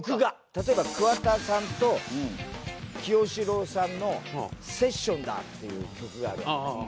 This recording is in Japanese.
例えば桑田さんと清志郎さんの『セッションだッ！』っていう曲があるわけね。